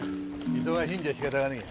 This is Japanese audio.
忙しいんじゃしかたがねえ。